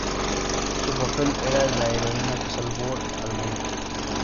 Su papel era el de la heroína que salva al mundo.